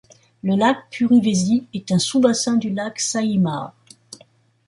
Le lac Puruvesi est un sous-bassin du lac Saimaa.